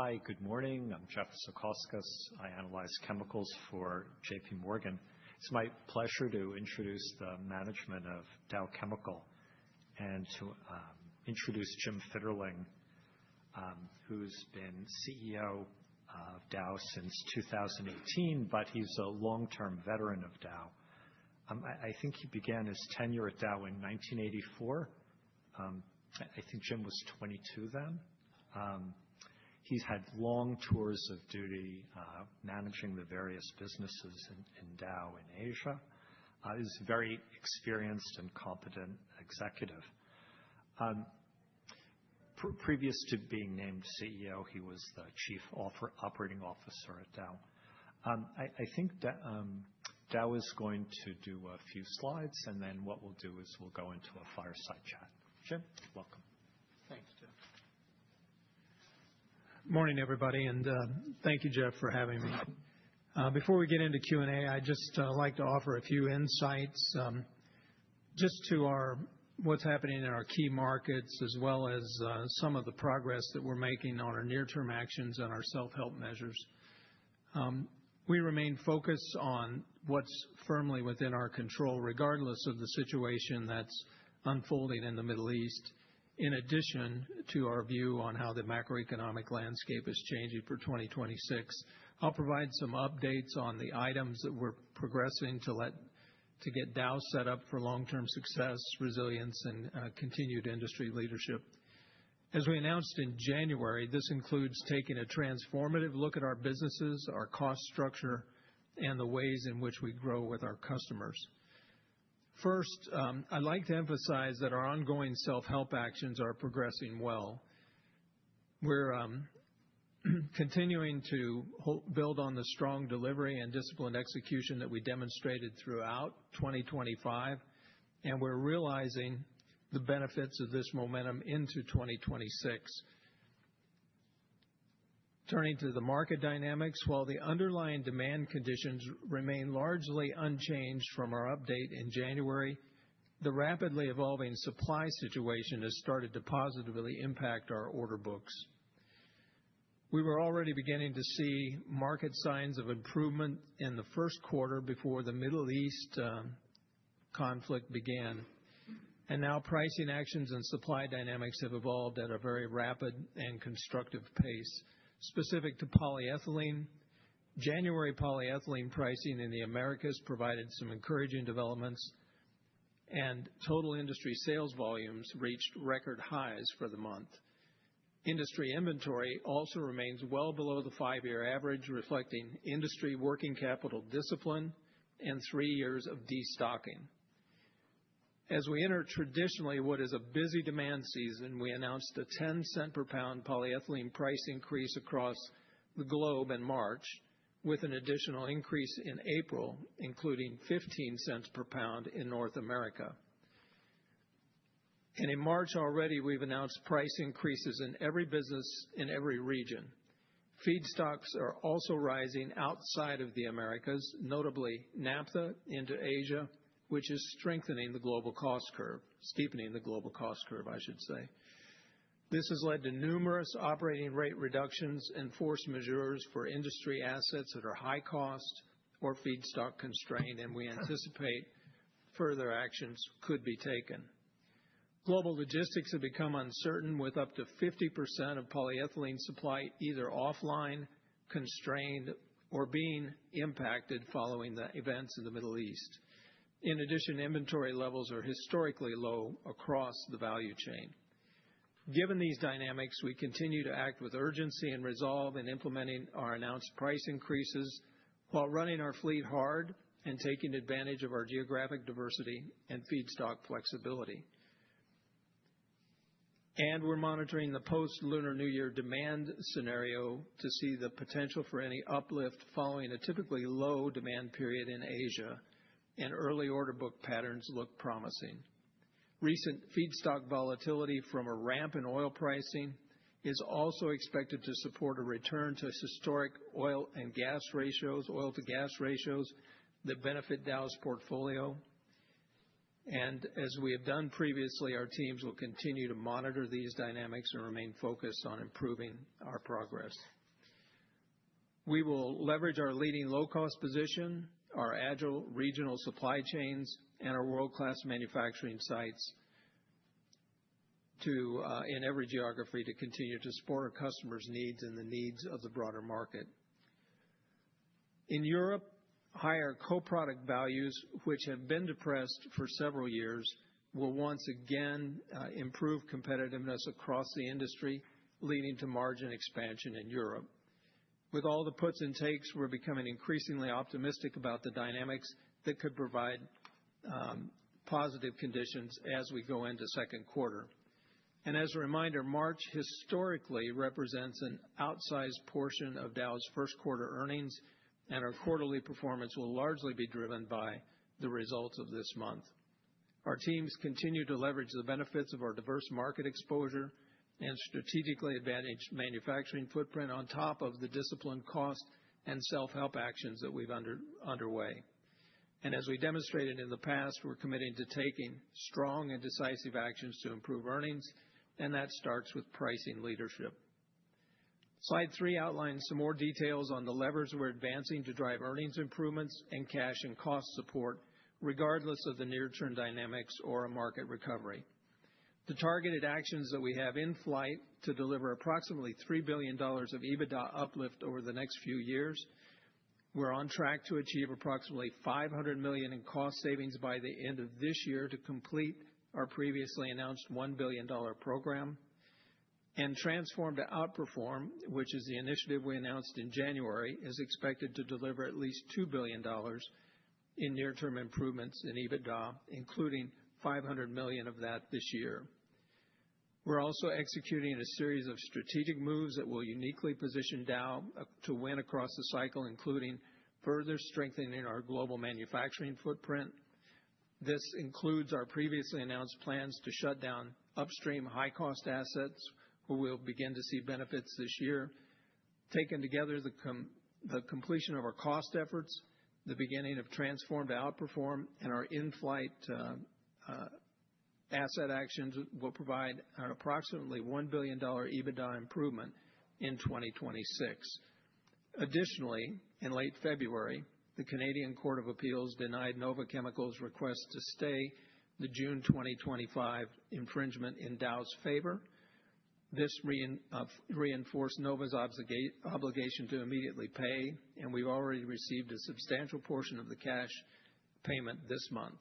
Hi, good morning. I'm Jeff Zekauskas. I analyze chemicals for JPMorgan. It's my pleasure to introduce the management of Dow Chemical and to introduce Jim Fitterling, who's been CEO of Dow since 2018, but he's a long-term veteran of Dow. I think he began his tenure at Dow in 1984. I think Jim was 22 then. He's had long tours of duty managing the various businesses in Dow in Asia. He's a very experienced and competent executive. Previous to being named CEO, he was the Chief Operating Officer at Dow. I think that Dow is going to do a few slides, and then what we'll do is we'll go into a fireside chat. Jim, welcome. Thanks, Jeff. Morning, everybody, and thank you, Jeff, for having me. Before we get into Q&A, I'd just like to offer a few insights, just to what's happening in our key markets as well as some of the progress that we're making on our near-term actions and our self-help measures. We remain focused on what's firmly within our control, regardless of the situation that's unfolding in the Middle East, in addition to our view on how the macroeconomic landscape is changing for 2026. I'll provide some updates on the items that we're progressing to get Dow set up for long-term success, resilience, and continued industry leadership. As we announced in January, this includes taking a transformative look at our businesses, our cost structure, and the ways in which we grow with our customers. First, I'd like to emphasize that our ongoing self-help actions are progressing well. We're continuing to build on the strong delivery and disciplined execution that we demonstrated throughout 2025, and we're realizing the benefits of this momentum into 2026. Turning to the market dynamics, while the underlying demand conditions remain largely unchanged from our update in January, the rapidly evolving supply situation has started to positively impact our order books. We were already beginning to see market signs of improvement in the first quarter before the Middle East conflict began and now pricing actions and supply dynamics have evolved at a very rapid and constructive pace. Specific to polyethylene, January polyethylene pricing in the Americas provided some encouraging developments, and total industry sales volumes reached record highs for the month. Industry inventory also remains well below the five-year average, reflecting industry working capital discipline and three years of destocking. As we enter traditionally what is a busy demand season, we announced a $0.10 per pound polyethylene price increase across the globe in March, with an additional increase in April, including $0.15 per pound in North America. In March already, we've announced price increases in every business in every region. Feedstocks are also rising outside of the Americas, notably naphtha into Asia, which is steepening the global cost curve, I should say. This has led to numerous operating rate reductions and force majeures for industry assets that are high cost or feedstock constrained, and we anticipate further actions could be taken. Global logistics have become uncertain with up to 50% of polyethylene supply either offline, constrained, or being impacted following the events in the Middle East. In addition, inventory levels are historically low across the value chain. Given these dynamics, we continue to act with urgency and resolve in implementing our announced price increases while running our fleet hard and taking advantage of our geographic diversity and feedstock flexibility. We're monitoring the post-Lunar New Year demand scenario to see the potential for any uplift following a typically low demand period in Asia, and early order book patterns look promising. Recent feedstock volatility from a ramp in oil pricing is also expected to support a return to historic oil and gas ratios, oil to gas ratios that benefit Dow's portfolio. As we have done previously, our teams will continue to monitor these dynamics and remain focused on improving our progress. We will leverage our leading low cost position, our agile regional supply chains, and our world-class manufacturing sites to in every geography to continue to support our customers' needs and the needs of the broader market. In Europe, higher co-product values, which have been depressed for several years, will once again improve competitiveness across the industry, leading to margin expansion in Europe. With all the puts and takes, we're becoming increasingly optimistic about the dynamics that could provide positive conditions as we go into second quarter. As a reminder, March historically represents an outsized portion of Dow's first quarter earnings, and our quarterly performance will largely be driven by the results of this month. Our teams continue to leverage the benefits of our diverse market exposure and strategically advantaged manufacturing footprint on top of the disciplined cost and self-help actions that we've underway. As we demonstrated in the past, we're committing to taking strong and decisive actions to improve earnings, and that starts with pricing leadership. Slide three outlines some more details on the levers we're advancing to drive earnings improvements and cash, and cost support, regardless of the near-term dynamics or a market recovery. The targeted actions that we have in flight to deliver approximately $3 billion of EBITDA uplift over the next few years. We're on track to achieve approximately $500 million in cost savings by the end of this year to complete our previously announced $1 billion program. Transform to Outperform, which is the initiative we announced in January, is expected to deliver at least $2 billion in near-term improvements in EBITDA, including $500 million of that this year. We're also executing a series of strategic moves that will uniquely position Dow to win across the cycle, including further strengthening our global manufacturing footprint. This includes our previously announced plans to shut down upstream high-cost assets, where we'll begin to see benefits this year. Taken together, the completion of our cost efforts, the beginning of Transform to Outperform, and our in-flight asset actions will provide an approximately $1 billion EBITDA improvement in 2026. Additionally, in late February, the Federal Court of Appeal denied NOVA Chemicals' request to stay the June 2025 infringement in Dow's favor. This reinforced NOVA's obligation to immediately pay, and we've already received a substantial portion of the cash payment this month.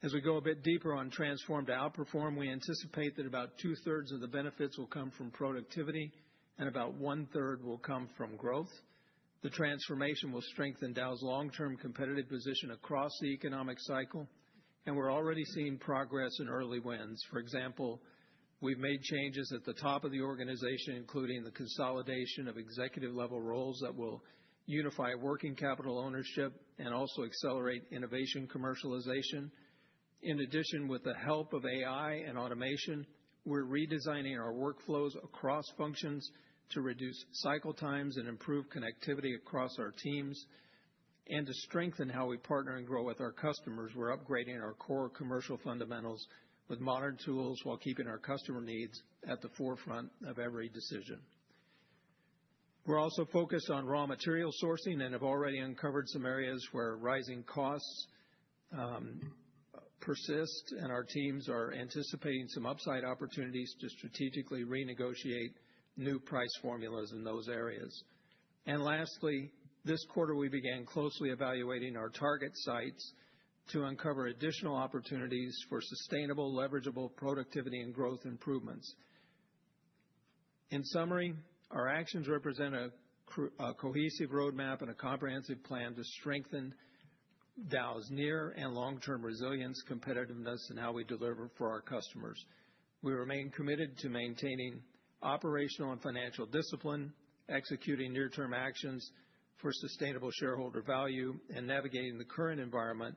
As we go a bit deeper on Transform to Outperform, we anticipate that about two-thirds of the benefits will come from productivity and about one-third will come from growth. The transformation will strengthen Dow's long-term competitive position across the economic cycle, and we're already seeing progress and early wins. For example, we've made changes at the top of the organization, including the consolidation of executive-level roles that will unify working capital ownership and also accelerate innovation commercialization. In addition, with the help of AI and automation, we're redesigning our workflows across functions to reduce cycle times and improve connectivity across our teams. To strengthen how we partner and grow with our customers, we're upgrading our core commercial fundamentals with modern tools while keeping our customer needs at the forefront of every decision. We're also focused on raw material sourcing and have already uncovered some areas where rising costs, persist, and our teams are anticipating some upside opportunities to strategically renegotiate new price formulas in those areas. Lastly, this quarter, we began closely evaluating our target sites to uncover additional opportunities for sustainable leverageable productivity and growth improvements. In summary, our actions represent a cohesive roadmap and a comprehensive plan to strengthen Dow's near and long-term resilience, competitiveness, and how we deliver for our customers. We remain committed to maintaining operational and financial discipline, executing near-term actions for sustainable shareholder value, and navigating the current environment,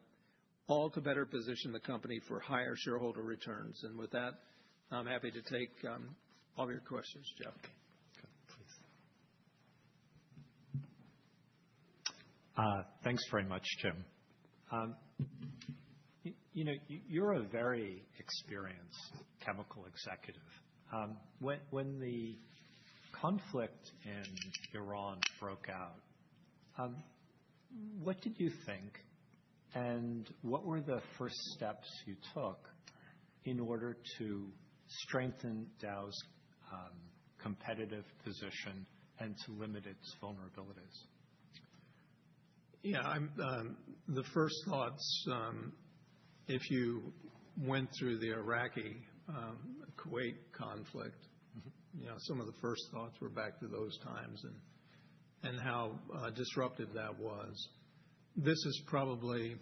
all to better position the company for higher shareholder returns. With that, I'm happy to take all your questions. Jeff? Thanks very much, Jim. You know, you're a very experienced chemical executive. When the conflict in Iran broke out, what did you think, and what were the first steps you took in order to strengthen Dow's competitive position and to limit its vulnerabilities? The first thoughts, if you went through the Iraq-Kuwait conflict. Mm-hmm. You know, some of the first thoughts were back to those times and how disruptive that was. This is probably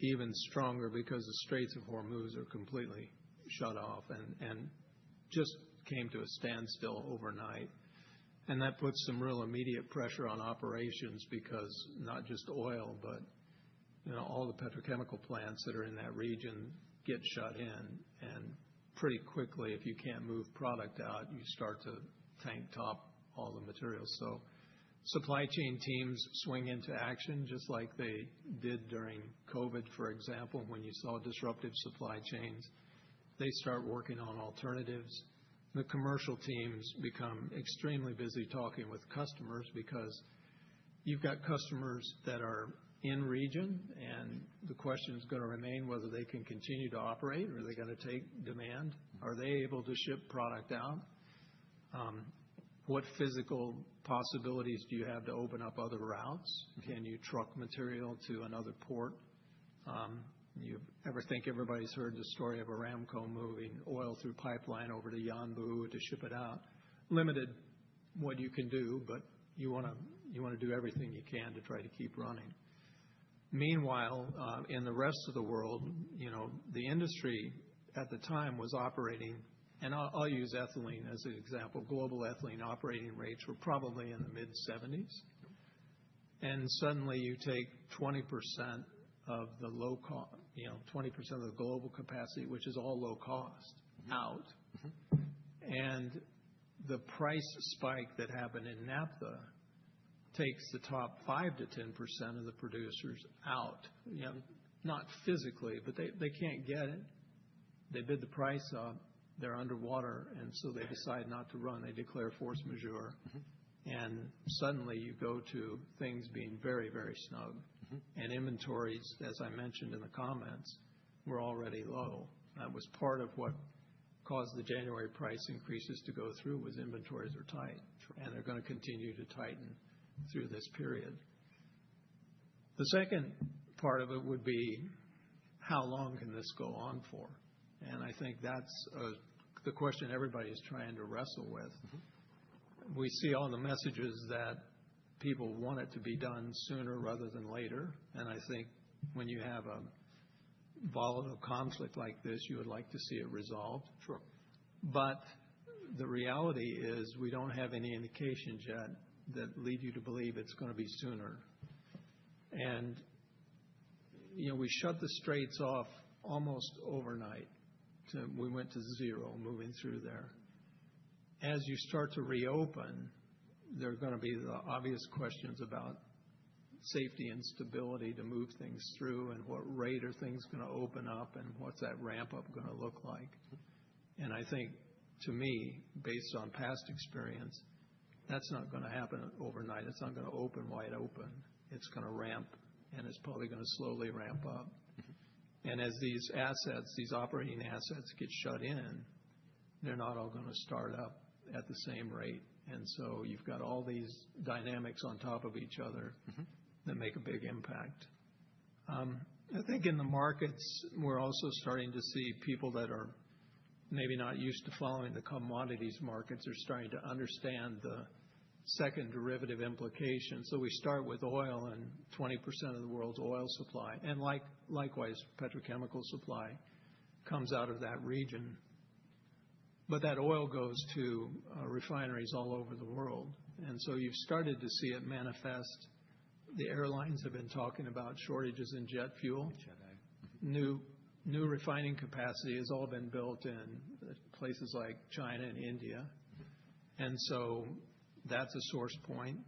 even stronger because the Straits of Hormuz are completely shut off and just came to a standstill overnight. That puts some real immediate pressure on operations because not just oil, but you know, all the petrochemical plants that are in that region get shut in. Pretty quickly, if you can't move product out, you start to tank top all the materials. Supply chain teams swing into action just like they did during COVID, for example, when you saw disruptive supply chains. They start working on alternatives. The commercial teams become extremely busy talking with customers because you've got customers that are in the region, and the question's going to remain whether they can continue to operate. Are they going to take demand? Are they able to ship product out? What physical possibilities do you have to open up other routes? Can you truck material to another port? You ever think everybody's heard the story of Aramco moving oil through pipeline over to Yanbu to ship it out. Limited what you can do, but you want to do everything you can to try to keep running. Meanwhile, in the rest of the world, you know, the industry at the time was operating, and I'll use ethylene as an example. Global ethylene operating rates were probably in the mid-70s. Suddenly you take 20% of the low cost, you know, 20% of the global capacity, which is all low cost, out. Mm-hmm. The price spike that happened in naphtha takes the top 5%-10% of the producers out. You know, not physically, but they can't get it. They bid the price up. They're underwater, and so they decide not to run. They declare force majeure. Mm-hmm. Suddenly you go to things being very, very snug. Mm-hmm. Inventories, as I mentioned in the comments, were already low. That was part of what caused the January price increases to go through, inventories are tight. Sure. They're going to continue to tighten through this period. The second part of it would be, how long can this go on for? I think that's the question everybody's trying to wrestle with. Mm-hmm. We see all the messages that people want it to be done sooner rather than later. I think when you have a volatile conflict like this, you would like to see it resolved. Sure. The reality is we don't have any indications yet that lead you to believe it's going to be sooner. You know, we shut the straits off almost overnight, we went to zero moving through there. As you start to reopen, there are going to be the obvious questions about safety and stability to move things through and what rate are things going to open up and what's that ramp up going to look like. Mm-hmm. I think to me, based on past experience, that's not going to happen overnight. It's not going to open wide open. It's going to ramp, and it's probably going to slowly ramp up. Mm-hmm. As these assets, these operating assets get shut in, they're not all going to start up at the same rate. You've got all these dynamics on top of each other. Mm-hmm That make a big impact. I think in the markets, we're also starting to see people that are maybe not used to following the commodities markets are starting to understand the second derivative implications. We start with oil and 20% of the world's oil supply and likewise, petrochemical supply comes out of that region. That oil goes to refineries all over the world. You've started to see it manifest. The airlines have been talking about shortages in jet fuel. Jet fuel. New refining capacity has all been built in places like China and India. That's a source point.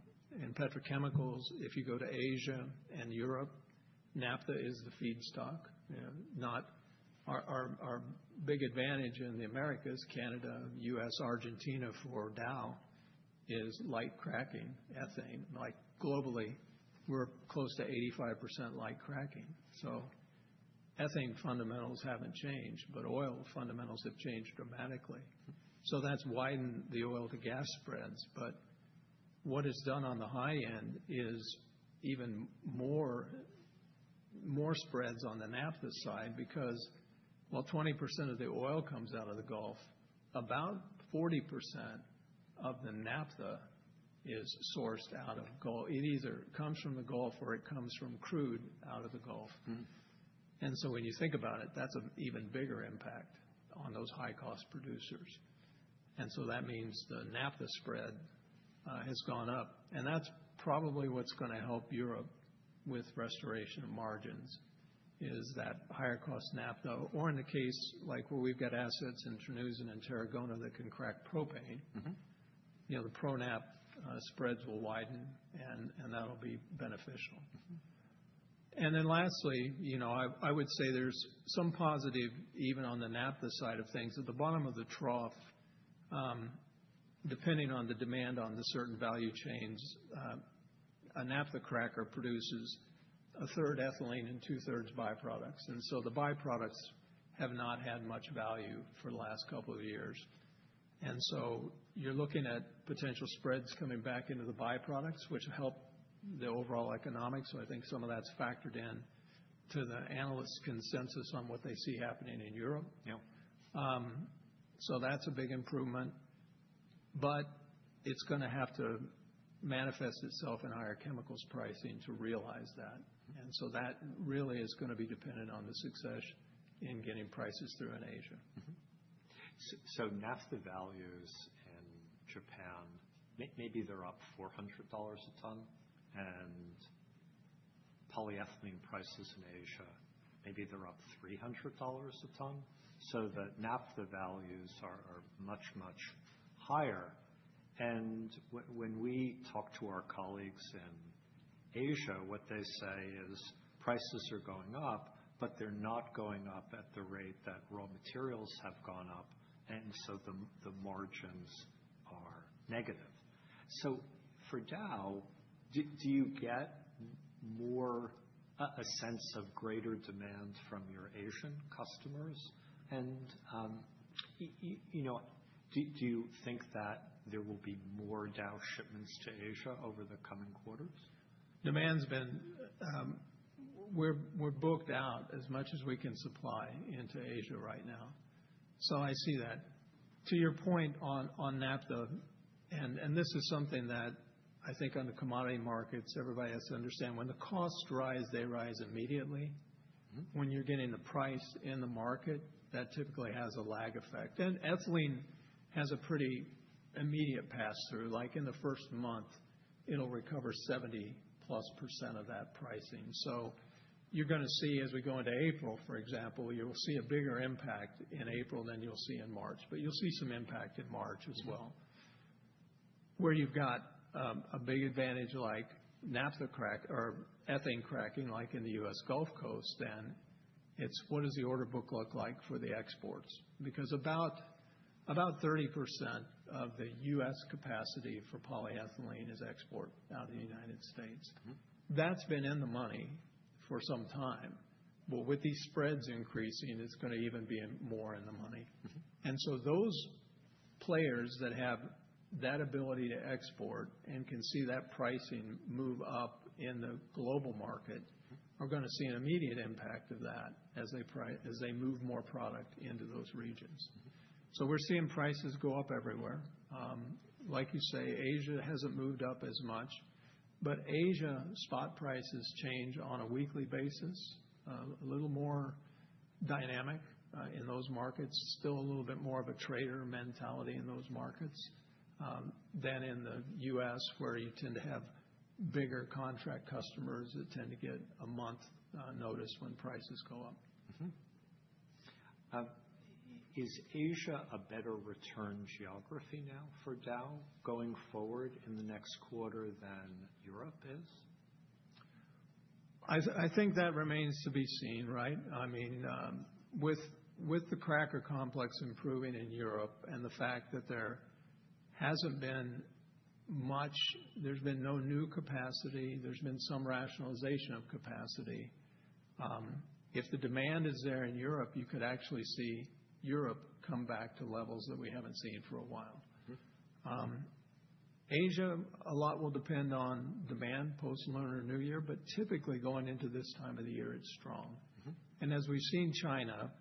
In petrochemicals, if you go to Asia and Europe, naphtha is the feedstock. You know, our big advantage in the Americas, Canada, U.S., Argentina for Dow is light cracking ethane. Like, globally, we're close to 85% light cracking. Ethane fundamentals haven't changed, but oil fundamentals have changed dramatically. That's widened the oil to gas spreads. What is done on the high end is even more spreads on the naphtha side because, while 20% of the oil comes out of the Gulf, about 40% of the naphtha is sourced out of Gulf. It either comes from the Gulf, or it comes from crude out of the Gulf. Mm-hmm. When you think about it, that's an even bigger impact on those high-cost producers. That means the naphtha spread has gone up and that's probably what's going to help Europe with restoration of margins, is that higher cost naphtha. In the case like where we've got assets in Terneuzen and Tarragona that can crack propane. Mm-hmm. You know, the propane spreads will widen and that'll be beneficial. Mm-hmm. Then lastly, I would say there's some positive even on the naphtha side of things. At the bottom of the trough, depending on the demand on the certain value chains, a naphtha cracker produces a third ethylene and two-thirds byproducts. The byproducts have not had much value for the last couple of years. You're looking at potential spreads coming back into the byproducts, which help the overall economics. I think some of that's factored in to the analyst consensus on what they see happening in Europe. Yep. That's a big improvement, but it's gonna have to manifest itself in higher chemicals pricing to realize that. That really is gonna be dependent on the success in getting prices through in Asia. Naphtha values in Japan, maybe they're up $400 a ton, and polyethylene prices in Asia, maybe they're up $300 a ton. The naphtha values are much higher. When we talk to our colleagues in Asia, what they say is prices are going up, but they're not going up at the rate that raw materials have gone up, and so the margins are negative. For Dow, do you get more of a sense of greater demand from your Asian customers? You know, do you think that there will be more Dow shipments to Asia over the coming quarters? Demands been. We're booked out as much as we can supply into Asia right now. I see that. To your point on naphtha, and this is something that I think on the commodity markets, everybody has to understand, when the costs rise, they rise immediately. Mm-hmm. When you're getting the price in the market, that typically has a lag effect. Ethylene has a pretty immediate pass-through, like in the first month. It'll recover 70+% of that pricing. You're gonna see as we go into April, for example, you'll see a bigger impact in April than you'll see in March. You'll see some impact in March as well. Where you've got a big advantage like naphtha crack or ethane cracking, like in the U.S. Gulf Coast, then it's what does the order book look like for the exports? Because about 30% of the U.S. capacity for polyethylene is export out of the United States. Mm-hmm. That's been in the money for some time. Well, with these spreads increasing, it's gonna even be in more in the money. Mm-hmm. Those players that have that ability to export and can see that pricing move up in the global market. Mm-hmm Are gonna see an immediate impact of that as they move more product into those regions. We're seeing prices go up everywhere. Like you say, Asia hasn't moved up as much, but Asia spot prices change on a weekly basis, a little more dynamic in those markets. Still a little bit more of a trader mentality in those markets than in the U.S., where you tend to have bigger contract customers that tend to get a month notice when prices go up. Is Asia a better return geography now for Dow going forward in the next quarter than Europe is? I think that remains to be seen, right? I mean, with the cracker complex improving in Europe and the fact that there's been no new capacity, there's been some rationalization of capacity. If the demand is there in Europe, you could actually see Europe come back to levels that we haven't seen for a while. Mm-hmm. Asia, a lot will depend on demand post-Lunar New Year, but typically going into this time of the year, it's strong. Mm-hmm. As we've seen, in China,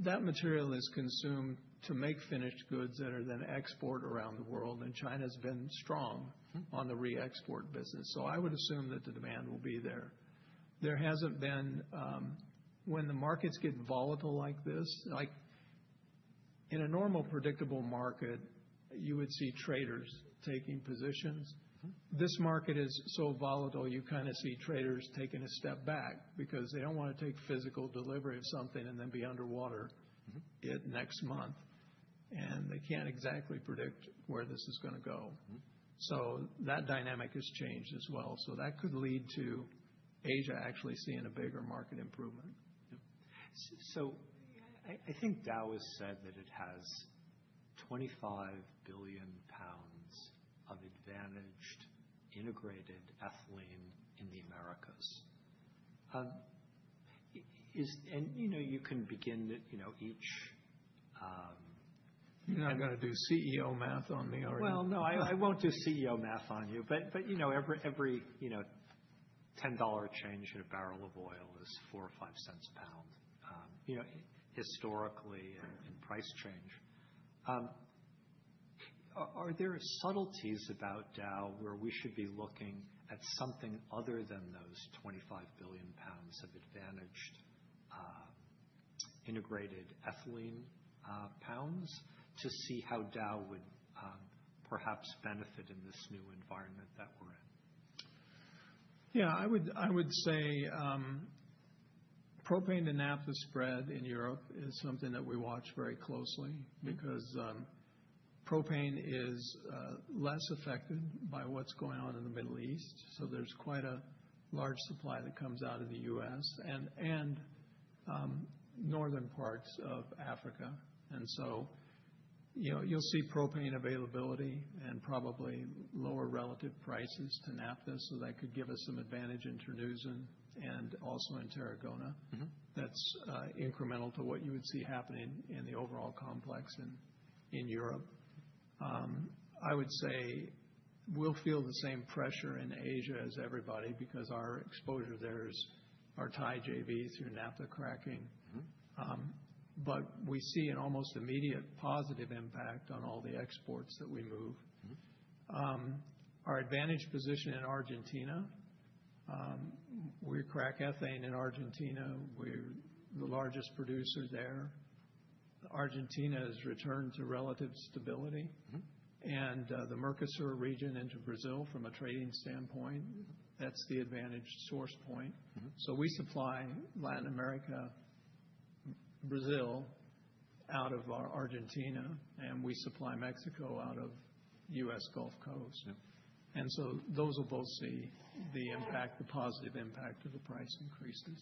that material is consumed to make finished goods that are then exported around the world, and China's been strong. Mm-hmm On the re-export business. I would assume that the demand will be there. When the markets get volatile like this, like in a normal, predictable market, you would see traders taking positions. Mm-hmm. This market is so volatile, you kinda see traders taking a step back because they don't wanna take physical delivery of something and then be underwater. Mm-hmm Yet next month. They can't exactly predict where this is gonna go. Mm-hmm. That dynamic has changed as well. That could lead to Asia actually seeing a bigger market improvement. Yep. I think Dow has said that it has 25 billion pounds of advantaged, integrated ethylene in the Americas. You know, you can begin to, you know, each You're not gonna do CEO math on me, are you? Well, no, I won't do CEO math on you. You know, every you know, $10 change in a barrel of oil is $0.04-$0.05 a pound, you know, historically in price change. Are there subtleties about Dow where we should be looking at something other than those 25 billion pounds of advantaged integrated ethylene pounds to see how Dow would perhaps benefit in this new environment that we're in? Yeah, I would say propane to naphtha spread in Europe is something that we watch very closely because propane is less affected by what's going on in the Middle East, so there's quite a large supply that comes out of the U.S. and northern parts of Africa. You know, you'll see propane availability and probably lower relative prices to naphtha, so that could give us some advantage in Terneuzen and also in Tarragona. Mm-hmm. That's incremental to what you would see happening in the overall complex in Europe. I would say we'll feel the same pressure in Asia as everybody because our exposure there is our Thai JV through naphtha cracking. Mm-hmm. We see an almost immediate positive impact on all the exports that we move. Mm-hmm. Our advantaged position in Argentina, we crack ethane in Argentina. We're the largest producer there. Argentina has returned to relative stability. Mm-hmm. The Mercosur region into Brazil from a trading standpoint, that's the advantaged source point. Mm-hmm. We supply Latin America, Brazil out of our Argentina, and we supply Mexico out of U.S. Gulf Coast. Yep. Those will both see the impact, the positive impact of the price increases.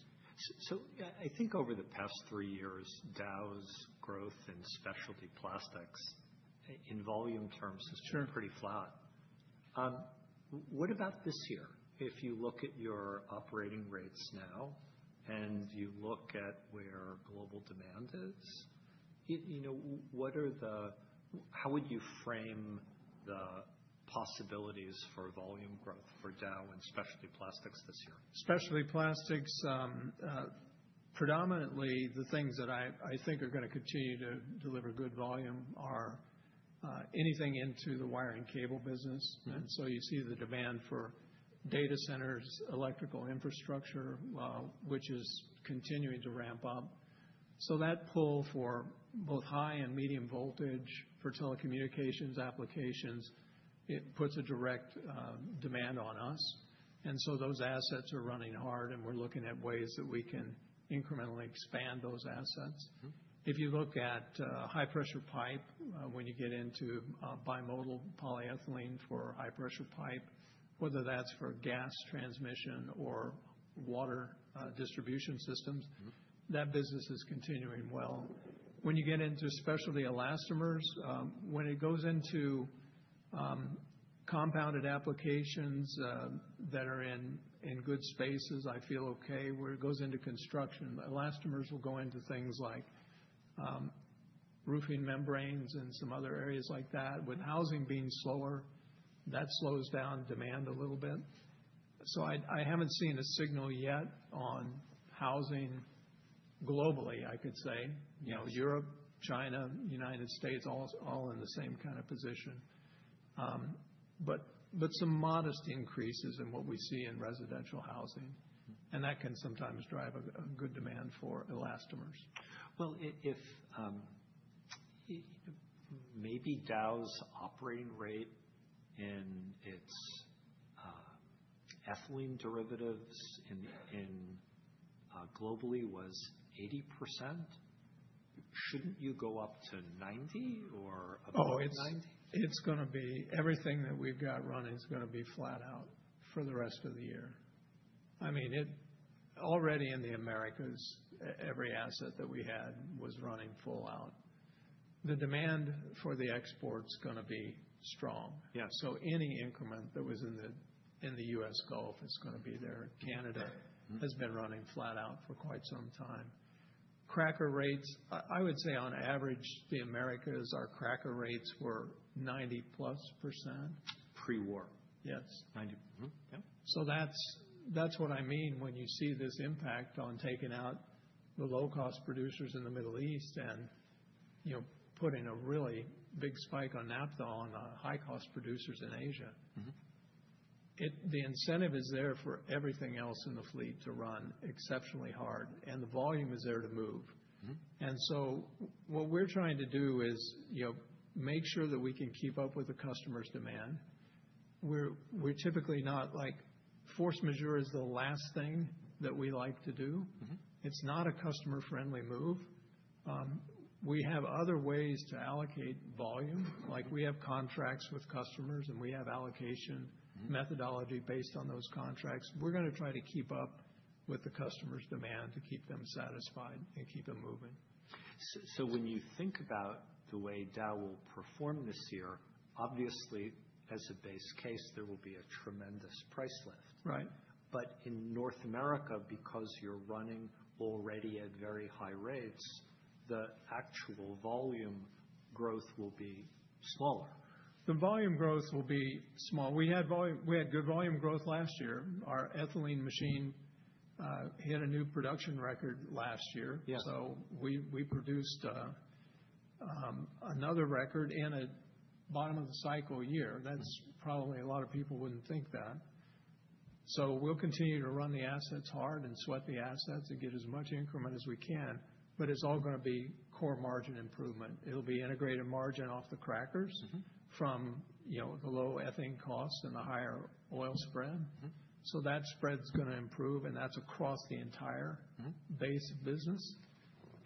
I think over the past three years, Dow's growth in specialty plastics in volume terms- Sure has been pretty flat. What about this year? If you look at your operating rates now and you look at where global demand is, you know, how would you frame the possibilities for volume growth for Dow in specialty plastics this year? Specialty plastics, predominantly the things that I think are gonna continue to deliver good volume are anything into the wiring cable business. Mm-hmm. You see the demand for data centers, electrical infrastructure, which is continuing to ramp up. That pull for both high and medium voltage for telecommunications applications, it puts a direct demand on us. Those assets are running hard, and we're looking at ways that we can incrementally expand those assets. Mm-hmm. If you look at high-pressure pipe, when you get into bimodal polyethylene for high-pressure pipe, whether that's for gas transmission or water distribution systems. Mm-hmm. That business is continuing well. When you get into specialty elastomers, when it goes into compounded applications that are in good spaces, I feel okay. Where it goes into construction, elastomers will go into things like roofing membranes and some other areas like that. With housing being slower, that slows down demand a little bit. I haven't seen a signal yet on housing globally, I could say. You know, Europe, China, United States, all in the same kind of position. Some modest increases in what we see in residential housing. That can sometimes drive a good demand for elastomers. Well, if maybe Dow's operating rate in its ethylene derivatives globally was 80%. Shouldn't you go up to 90% or above 90%? Oh, it's gonna be everything that we've got running is gonna be flat out for the rest of the year. I mean it, already in the Americas, every asset that we had was running full out. The demand for the export's gonna be strong. Yeah. Any increment that was in the U.S. Gulf is gonna be there. Mm-hmm. Canada has been running flat out for quite some time. Cracker rates, I would say on average, the Americas, our cracker rates were 90+%. Pre-war? Yes. 90%. Mm-hmm. Yeah. That's what I mean when you see this impact on taking out the low cost producers in the Middle East and, you know, putting a really big spike on naphtha on the high cost producers in Asia. Mm-hmm. The incentive is there for everything else in the fleet to run exceptionally hard, and the volume is there to move. Mm-hmm. What we're trying to do is, you know, make sure that we can keep up with the customers' demand. We're typically not like force majeure is the last thing that we like to do. Mm-hmm. It's not a customer friendly move. We have other ways to allocate volume. Like, we have contracts with customers, and we have allocation. Mm-hmm. Methodology based on those contracts. We're gonna try to keep up with the customers' demand to keep them satisfied and keep them moving. when you think about the way Dow will perform this year, obviously, as a base case, there will be a tremendous price lift. Right. In North America, because you're running already at very high rates, the actual volume growth will be slower. The volume growth will be small. We had good volume growth last year. Our ethylene machine hit a new production record last year. Yeah. We produced another record in a bottom of the cycle year. That's probably a lot of people wouldn't think that. We'll continue to run the assets hard and sweat the assets and get as much increment as we can, but it's all gonna be core margin improvement. It'll be integrated margin off the crackers. Mm-hmm. From, you know, the low ethane costs and the higher oil spread. Mm-hmm. That spread's gonna improve, and that's across the entire- Mm-hmm. base business.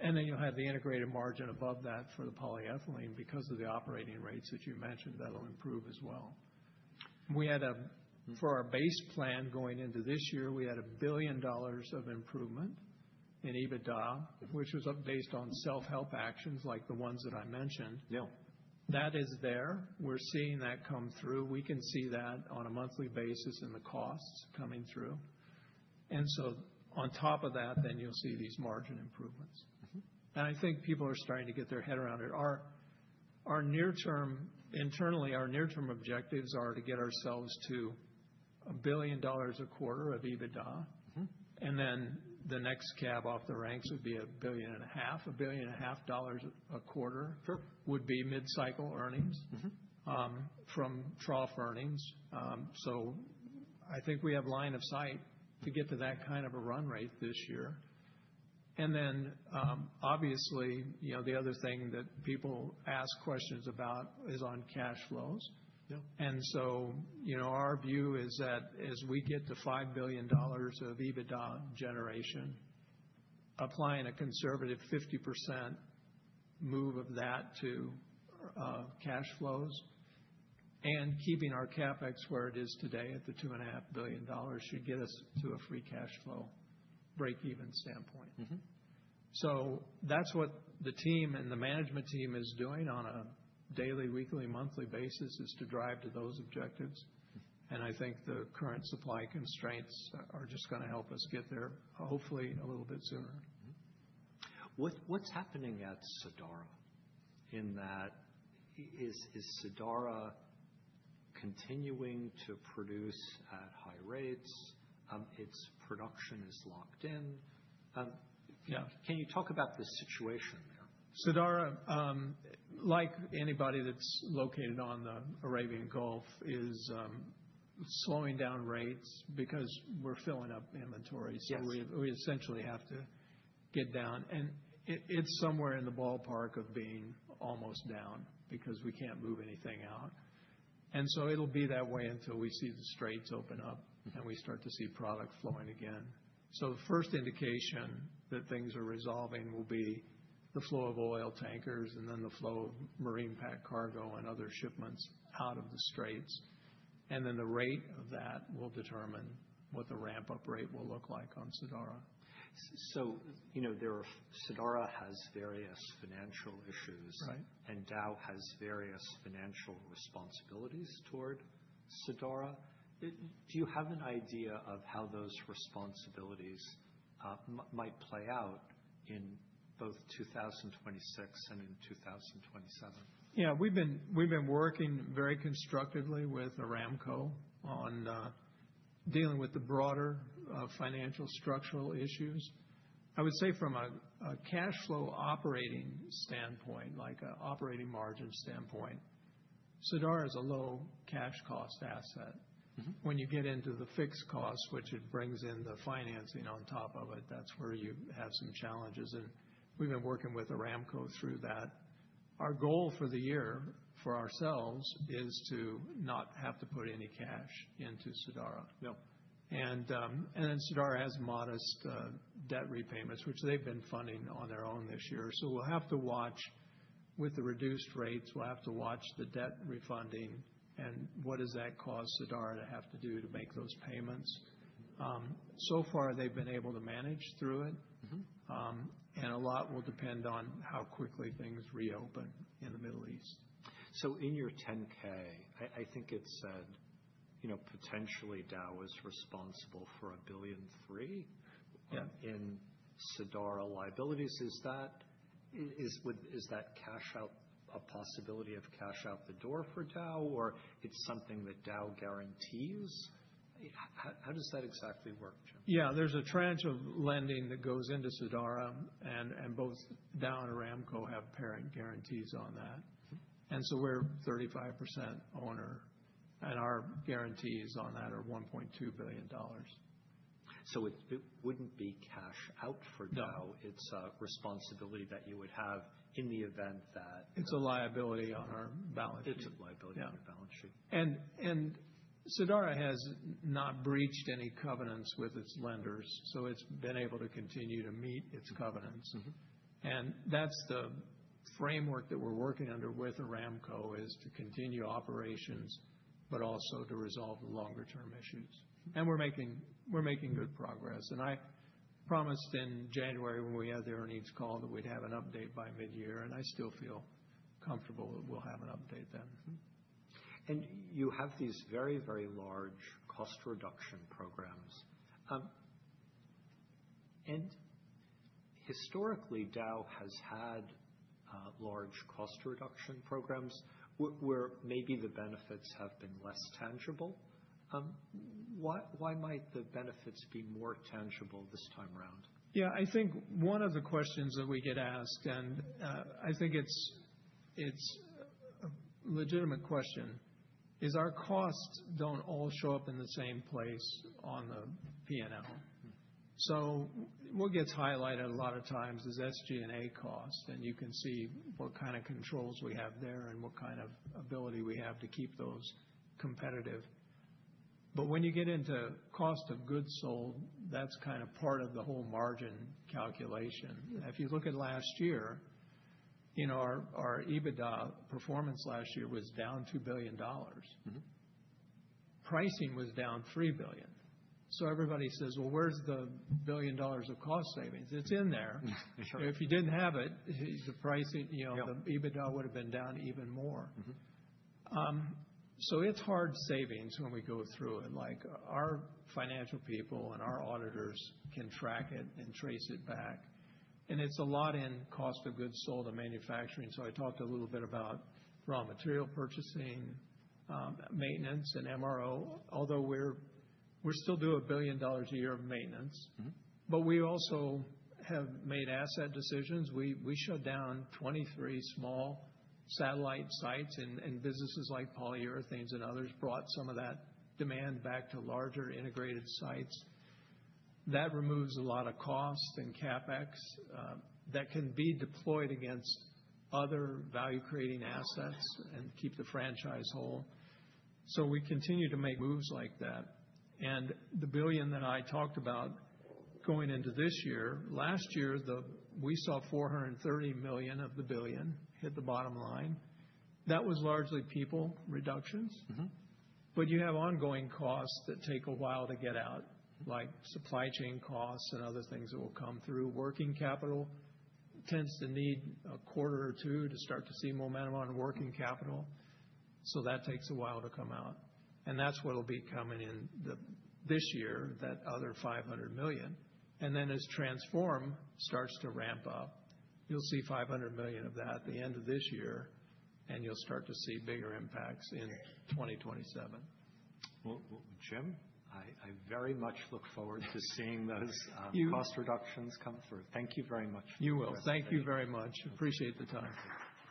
You'll have the integrated margin above that for the polyethylene because of the operating rates that you mentioned, that'll improve as well. We had Mm-hmm. For our base plan going into this year, we had $1 billion of improvement in EBITDA, which was up based on self-help actions like the ones that I mentioned. Yeah. That is there. We're seeing that come through. We can see that on a monthly basis in the costs coming through. On top of that, then you'll see these margin improvements. Mm-hmm. I think people are starting to get their head around it. Our near term objectives internally are to get ourselves to $1 billion a quarter of EBITDA. Mm-hmm. The next cab off the ranks would be $1.5 billion. $1.5 billion a quarter- Sure. would be mid-cycle earnings. Mm-hmm. From trough earnings. I think we have line of sight to get to that kind of a run rate this year. Obviously, you know, the other thing that people ask questions about is on cash flows. Yeah. You know, our view is that as we get to $5 billion of EBITDA generation, applying a conservative 50% move of that to cash flows and keeping our CapEx where it is today at the $2.5 billion should get us to a free cash flow break even standpoint. Mm-hmm. That's what the team and the management team is doing on a daily, weekly, monthly basis, is to drive to those objectives. Mm-hmm. I think the current supply constraints are just gonna help us get there, hopefully a little bit sooner. What's happening at Sadara? That is Sadara continuing to produce at high rates? Its production is locked in. Yeah. Can you talk about the situation there? Sadara, like anybody that's located on the Arabian Gulf is slowing down rates because we're filling up inventories. Yes. We essentially have to get down. It's somewhere in the ballpark of being almost down because we can't move anything out. It'll be that way until we see the straits open up, and we start to see product flowing again. The first indication that things are resolving will be the flow of oil tankers and then the flow of marine packed cargo and other shipments out of the straits. Then the rate of that will determine what the ramp-up rate will look like on Sadara. You know, Sadara has various financial issues. Right. Dow has various financial responsibilities toward Sadara. Do you have an idea of how those responsibilities might play out in both 2026 and in 2027? Yeah. We've been working very constructively with Aramco on dealing with the broader financial structural issues. I would say from a cash flow operating standpoint, like a operating margin standpoint, Sadara is a low cash cost asset. Mm-hmm. When you get into the fixed cost, which it brings in the financing on top of it, that's where you have some challenges, and we've been working with Aramco through that. Our goal for the year, for ourselves, is to not have to put any cash into Sadara. No. Sadara has modest debt repayments, which they've been funding on their own this year. We'll have to watch with the reduced rates. We'll have to watch the debt refunding and what does that cause Sadara to have to do to make those payments. So far, they've been able to manage through it. Mm-hmm. A lot will depend on how quickly things reopen in the Middle East. In your 10-K, I think it said, you know, potentially Dow is responsible for $1.3 billion- Yeah. in Sadara liabilities. Is that a possibility of cash out the door for Dow or it's something that Dow guarantees? How does that exactly work, Jim? Yeah. There's a tranche of lending that goes into Sadara and both Dow and Aramco have parent guarantees on that. We're 35% owner, and our guarantees on that are $1.2 billion. It wouldn't be cash out for Dow. No. It's a responsibility that you would have in the event that. It's a liability on our balance sheet. It's a liability. Yeah. On your balance sheet. Sadara has not breached any covenants with its lenders, so it's been able to continue to meet its covenants. Mm-hmm. That's the framework that we're working under with Aramco, is to continue operations but also to resolve the longer term issues. We're making good progress. I promised in January when we had the earnings call that we'd have an update by midyear, and I still feel comfortable that we'll have an update then. Mm-hmm. You have these very, very large cost reduction programs. Historically, Dow has had large cost reduction programs where maybe the benefits have been less tangible. Why might the benefits be more tangible this time around? Yeah. I think one of the questions that we get asked, and I think it's a legitimate question, is our costs don't all show up in the same place on the P&L. Mm-hmm. What gets highlighted a lot of times is SG&A costs, and you can see what kind of controls we have there and what kind of ability we have to keep those competitive. When you get into cost of goods sold, that's kind of part of the whole margin calculation. If you look at last year, you know, our EBITDA performance last year was down $2 billion. Mm-hmm. Pricing was down $3 billion. Everybody says, "Well, where's the $1 billion of cost savings?" It's in there. Sure. If you didn't have it, the pricing, you know. Yeah. The EBITDA would have been down even more. Mm-hmm. It's hard savings when we go through and, like, our financial people and our auditors can track it and trace it back. It's a lot in cost of goods sold and manufacturing. I talked a little bit about raw material purchasing, maintenance and MRO, although we still do $1 billion a year of maintenance. Mm-hmm. We also have made asset decisions. We shut down 23 small satellite sites and businesses like polyurethanes and others brought some of that demand back to larger integrated sites. That removes a lot of cost and CapEx that can be deployed against other value-creating assets and keep the franchise whole. We continue to make moves like that. The $1 billion that I talked about going into this year, last year, we saw $430 million of the $1 billion hit the bottom line. That was largely people reductions. Mm-hmm. You have ongoing costs that take a while to get out, like supply chain costs and other things that will come through. Working capital tends to need a quarter or two to start to see momentum on working capital, so that takes a while to come out. That's what'll be coming in the, this year, that other $500 million. Then as Transform starts to ramp up, you'll see $500 million of that at the end of this year, and you'll start to see bigger impacts in 2027. Well, Jim, I very much look forward to seeing those cost reductions come through. Thank you very much. You will. Thank you very much. Appreciate the time.